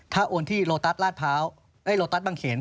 ถ้าโอนที่โลตัสบังเขน